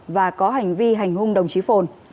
và có hành vi hành hung đồng chí phồn